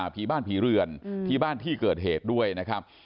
ผีบ้านผีเรือนที่บ้านที่เกิดเหตุด้วยนะครับ